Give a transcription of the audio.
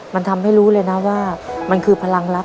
มันทำให้รู้เลยนะว่ามันคือพลังรัก